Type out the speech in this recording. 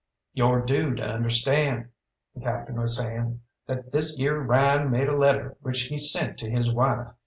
"Yo're due to understand," the Captain was saying, "that this yere Ryan made a letter which he sent to his wife.